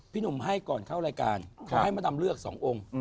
หนุ่มให้ก่อนเข้ารายการขอให้มดำเลือก๒องค์